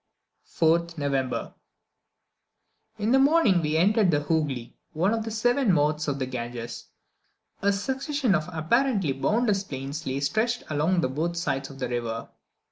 4th November. In the morning we entered the Hoogly, one of the seven mouths of the Ganges. A succession of apparently boundless plains lay stretched along on both sides of the river.